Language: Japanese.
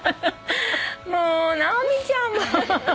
もう直美ちゃん。